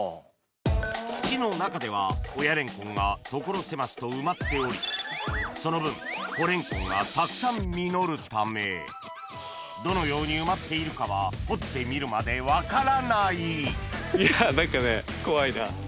土の中では親レンコンが所狭しと埋まっておりその分ためどのように埋まっているかは掘ってみるまで分からない何かね怖いな。